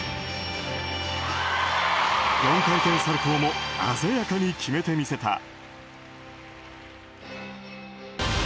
４回転サルコウも鮮やかに決めてみせた。